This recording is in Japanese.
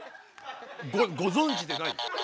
⁉ごぞんじでない？